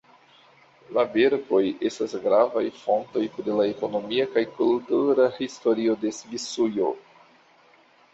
La verkoj estas gravaj fontoj pri la ekonomia kaj kultura historio de Svisujo.